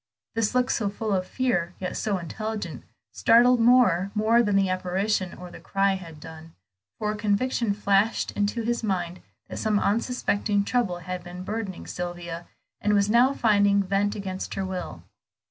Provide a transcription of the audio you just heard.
This look, so full of fear, yet so intelligent, startled Moor more than the apparition or the cry had done, for a conviction flashed into his mind that some unsuspected trouble had been burdening Sylvia, and was now finding vent against her will.